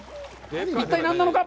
一体、何なのか！？